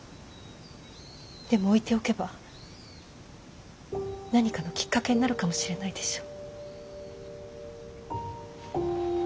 でも置いておけば何かのきっかけになるかもしれないでしょ。